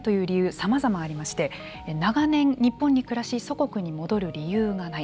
さまざまありまして長年、日本に暮らし祖国に戻る理由がない。